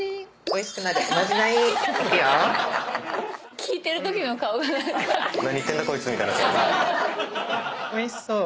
おいしそう。